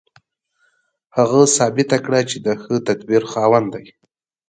هغه ثابته کړه چې د ښه تدبیر خاوند دی